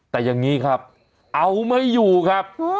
แต่อย่างนี้ครับเอาไม่อยู่ครับ